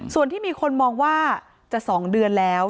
ส่วนที่มีคนมองว่าจะ๒เดือนแล้ว